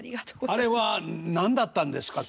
あれは何だったんですか？